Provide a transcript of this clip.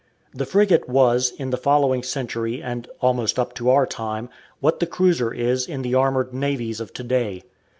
The frigate was, in the following century and almost up to our time, what the cruiser is in the armoured navies of to day.